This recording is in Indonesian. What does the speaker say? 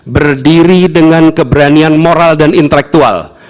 berdiri dengan keberanian moral dan intelektual